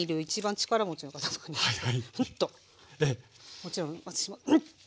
もちろん私もんっ！